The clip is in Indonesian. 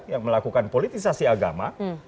yang melakukan politisasi agama